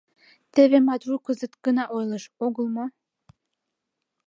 Теве Матвуй кызыт гына ойлыш огыл мо?